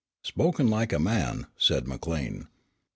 "Spoken like a man," said McLean.